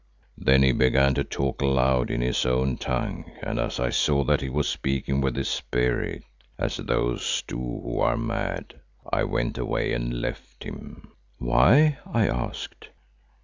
Then he began to talk aloud in his own tongue and as I saw that he was speaking with his Spirit, as those do who are mad, I went away and left him." "Why?" I asked.